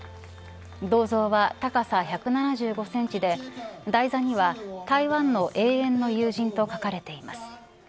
銅像は高さ１７５センチで台座には台湾の永遠の友人と書かれています。